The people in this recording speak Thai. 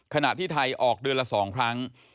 ขณะที่ไทยออกเดือนละ๒ครั้ง